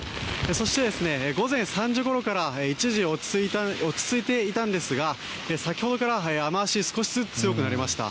そして、午前３時ごろから一時落ち着いていたんですが先ほどから雨脚が少しずつ強くなりました。